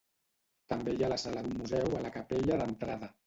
També hi ha la sala d'un museu a la capella d'entrada.